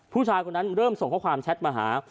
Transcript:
ผู้ชายคนนั้นเริ่มส่งข้อความแชทมาหา